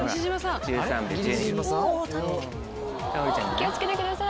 気を付けてください。